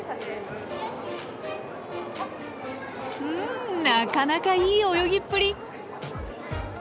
うんなかなかいい泳ぎっぷり。